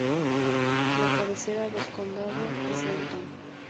La cabecera del condado es Benton.